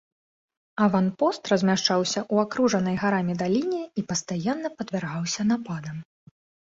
Аванпост размяшчаўся ў акружанай гарамі даліне і пастаянна падвяргаўся нападам.